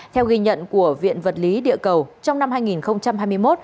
theo ghi nhận của viện vật lý địa cầu trong năm hai nghìn hai mươi một